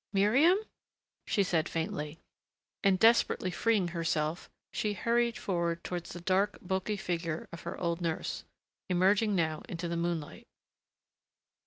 Miriam?" she said faintly, and desperately freeing herself, she hurried forward towards the dark, bulky figure of her old nurse, emerging now into the moonlight.